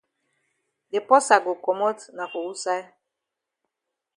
De porsa go komot na for wusaid?